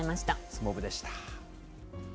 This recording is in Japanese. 相撲部でした。